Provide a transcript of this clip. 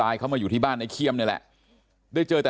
แล้วก็ยัดลงถังสีฟ้าขนาด๒๐๐ลิตร